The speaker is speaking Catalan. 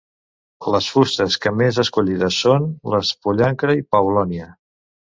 Les fustes que més escollides són les de pollancre o paulònia.